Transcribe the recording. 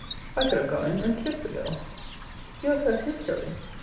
I could have gone in and kissed the girl. Cl. You have heard his story.